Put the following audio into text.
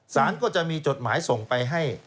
สารก็จะมีจดหมายส่งไปให้